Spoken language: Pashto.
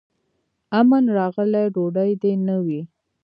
امن راغلی ډوډۍ دي نه وي